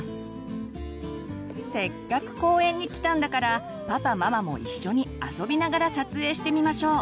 せっかく公園に来たんだからパパママも一緒に遊びながら撮影してみましょう。